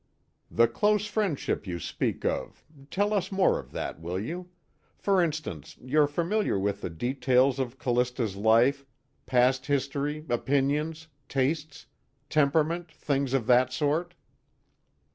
"The close friendship you speak of tell us more of that, will you? For instance, you're familiar with the details of Callista's life past history, opinions, tastes, temperament, things of that sort?"